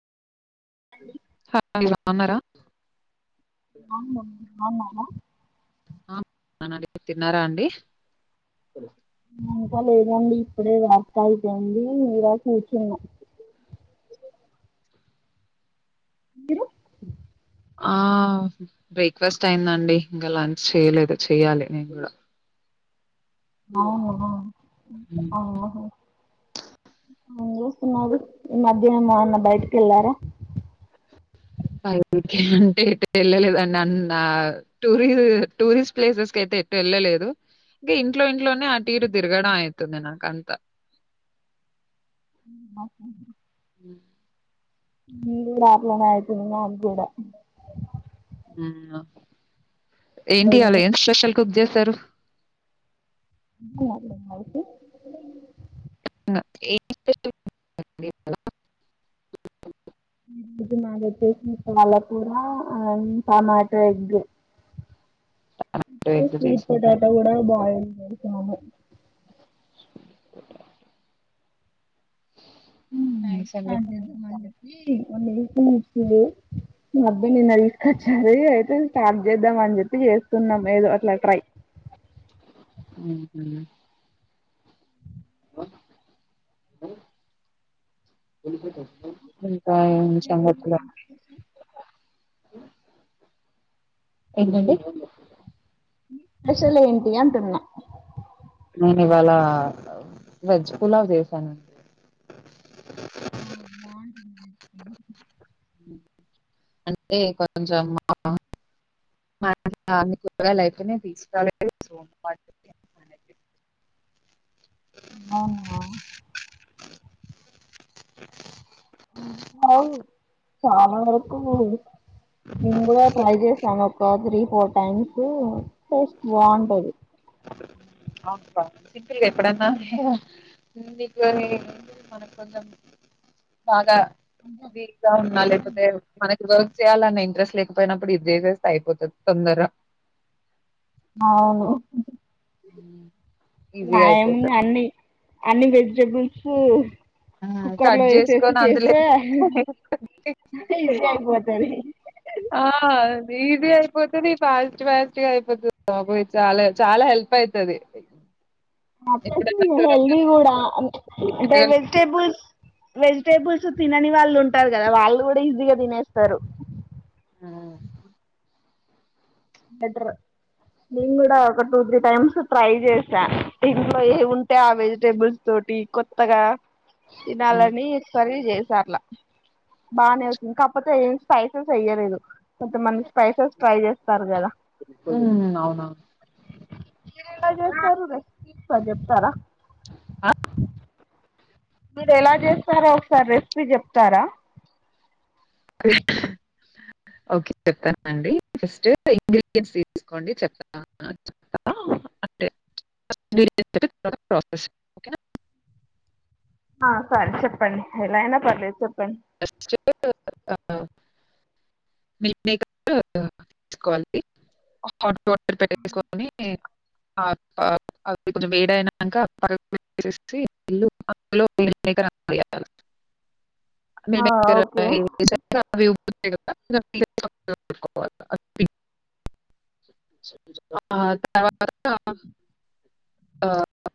హాంగే జో పన్నరా [unintelligible] అవున మా ఆ మనాలి తిన్నారా అండి ఇంకా లేదండి ఇప్పుడే వర్కయిపోయింది ఇలా కూర్చున్నా మీరు ఆ బ్రేక్ఫాస్ట్ అయిందండి ఇంకా లంచ్ చేయలేదు చేయాలి నే కూడా అవునా అహ్ ఏం చేస్తున్నారు ఈ మధ్యాహ్నం ఏమన్నా బయటికి వెళ్ళారా బైటికి అంటే ఎటు ఎళ్ళలేదండి అన్న టూరి టూరిస్ట్ ప్లేసెస్ కయితే ఎటు ఎళ్ళలేదు ఇంకా ఇ ట్లో ఇంట్లోనే అటూఇటూ తిరగడం అయి తుంది నా కంత ఉ బస్ ఉంది నేను కూడా అట్లనే అయితుంది నాగుడా నిన్ను ఏంటి ఇయలా ఏం స్పెషల్ కుక్ చేస్ సరు తు ఏ [unintelligible] పాలకూర టమాట ఎగ్గు ఎగ్ స్వీట్ చేసారా? పోటాట కూడ బయిల్ అవును [unintelligible] ఎగ్స్ అండి. మంచిది మధ్య నిన్న తీసుకొచ్చారు అయితే స్టార్ట్ చేద్దాం అని చెప్పి చేస్తున్నాం ఏదో అట్లా ట్రై హు హు ఏంటండి స్పెషల్ ఏంటి అంటున్నా నేను ఇవాళ వెజ్ పులావ్ చేసానండి ఓ [unintelligible] హు అంటే కొంచం [unintelligible] అవునా అవు చాలవరకు ముందుగా కాల్ చేసిన ఆమె ఒక త్రీ ఫోర్ టైమ్స్ టేస్ట్ బాగుంటది [inaudible] వీక్ గా ఉన్న లేపోతే మనకి చేయాలన్నా ఇంట్రెస్ట్ లేకపోయినప్పుడు ఇది చేసేస్తే అయిపోతది తొందర అవును అ నా ఎముంది అన్నీ అన్ని వెజిటేబుల్స్ ఆ ఈజీ అయిపోతది ఇది అపోతుది పాజిటివ్ పాజిటివ్ అయిపోతుంది పో చాలా చాలా హెల్ప్ అయితది ఎప్పుడైనా హెల్దీ కూడా అంటే చొరవ వెజిటేబుల్స్ వెజిటేబుల్స్ తినని వాళ్ళు ఉంటారు కదా వాళ్ళు కూడా ఈజీగా తినేస్తారు ఆ బెటర్ నేను కూడా ఒక టూ త్రీ టైమ్స్ ట్రై చేసా ఇంట్లో ఏ ఉంటే ఆ వెజిటేబుల్స్ తోటి కొత్తగా తినాలని ఎవరి చే చాట్ల బాగానే అవుతుంది కాకపోతే స్పైసెస్ అయలేదు కొంత మ స్పైసెస్ ట్రై చేస్ పర్ద హ్మ్ అవునా మీరు ఎలా చేస్తారు రిసిపీస్ చెప్తారా మీరెలా జేస్తారో ఒకసారి రెసిపీ చెప్తారా? ఓకే చెప్తానుండి ఫస్ట్ ఇంగ్రీడియన్ తీస్కోండి చెప్తా అంటె [unintelligible] ఒకే నా ఆ సరే చెప్పండి ఎలా అయినా పర్లేేదు చెప్ ఫస్టు ఆ మిల్మేకర్ తీసుకోవాలి హాట్ వాటర్ పెట్టేసుకొని అది కొంచెం వేడయినాక [inaudible] మిల్మేకర్ అందులో వేయాల ఆ మిల్మేకర్ అందులో ఓకే ఏసాక అవి ఉప్ [inaudible] తర్వాత